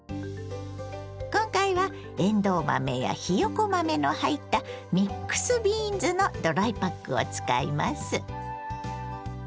今回はえんどう豆やひよこ豆の入ったミックスビーンズのドライパックを使います。